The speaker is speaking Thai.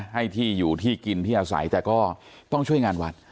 ให้ที่อยู่ที่กินที่อาศัยแต่ก็ต้องช่วยงานวัด